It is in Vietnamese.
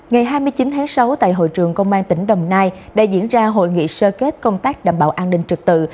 ngày hai mươi chín tháng sáu tại hội trường công an tỉnh đồng nai đã diễn ra hội nghị sơ kết công tác đảm bảo an ninh trực tự